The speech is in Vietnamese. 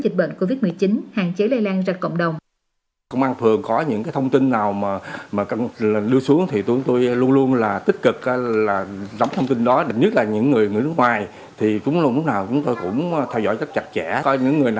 dịch bệnh covid một mươi chín hạn chế lây lan ra cộng đồng